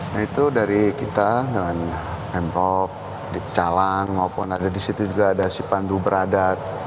nah itu dari kita dengan pemprov di calang maupun ada di situ juga ada sipandu beradat